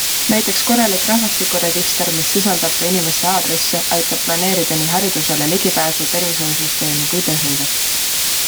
Näiteks korralik rahavastikuregister, mis sisaldab ka inimeste aadresse, aitab planeerida nii haridusele ligipääsu, tervishoiusüsteemi kui tööhõivet.